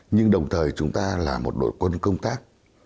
nhưng đồng thời chúng ta là một đội quân công tác